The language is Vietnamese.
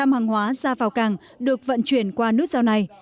chín mươi hàng hóa ra vào cảng được vận chuyển qua nút giao này